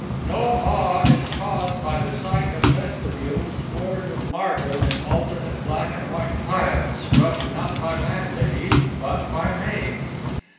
No awe. is caused by the sight of vestibules floored with marble in alternate black and white tiles, scrubbed not by landladies, but by maids.